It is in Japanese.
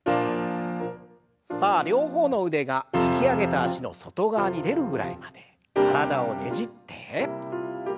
さあ両方の腕が引き上げた脚の外側に出るぐらいまで体をねじって。